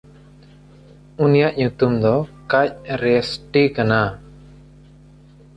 ᱩᱱᱤᱭᱟᱜ ᱧᱩᱛᱩᱢ ᱫᱚ ᱠᱟᱡᱮᱨᱥᱴᱤ ᱠᱟᱱᱟ᱾